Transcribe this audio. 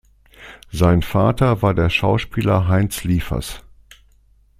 Sein Vater war der Schauspieler Heinz Liefers.